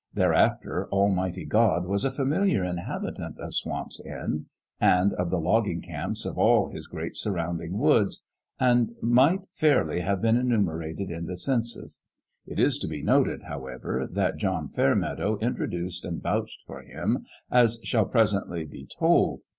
There after Almighty God was a familiar inhabitant of Swamp's End and of the logging camps of all His great surrounding woods and might fairly have been enumerated in the census. It is to be noted, however, that John Fairmeadow intro duced and vouched for Him, as shall presently be told.